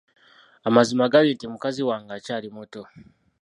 Amazima gali nti mukazi wange akyali muto.